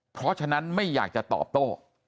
เพราะฉะนั้นไม่อยากจะตอบโต้